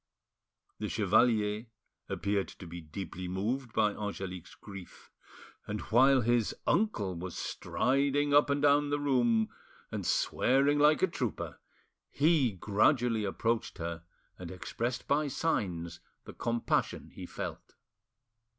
The chevalier appeared to be deeply moved by Angelique's grief, and while his, uncle was striding up and down the room and swearing like a trooper, he gradually approached her and expressed by signs the compassion he felt.